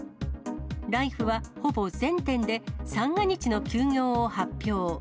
ライフは、ほぼ全店で三が日の休業を発表。